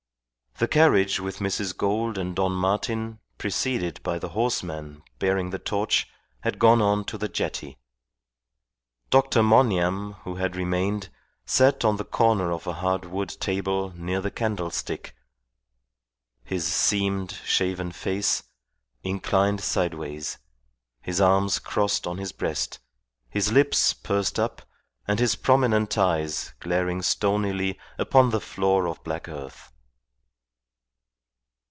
The carriage with Mrs. Gould and Don Martin, preceded by the horseman bearing the torch, had gone on to the jetty. Dr. Monygham, who had remained, sat on the corner of a hard wood table near the candlestick, his seamed, shaven face inclined sideways, his arms crossed on his breast, his lips pursed up, and his prominent eyes glaring stonily upon the floor of black earth.